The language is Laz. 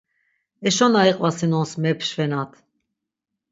Eşo na iqvasinons mepşvenat.